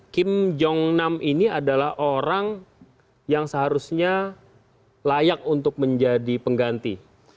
kim jong nam ini adalah orang yang seharusnya layak untuk menjadi pengganti